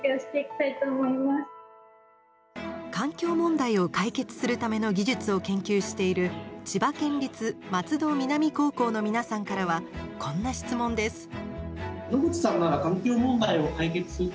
環境問題を解決するための技術を研究している千葉県立松戸南高校の皆さんからはこんな質問です。